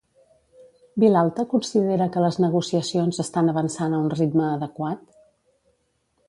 Vilalta considera que les negociacions estan avançant a un ritme adequat?